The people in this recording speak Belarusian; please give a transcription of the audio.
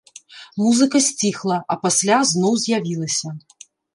Музыка сціхла, а пасля зноў з'явілася.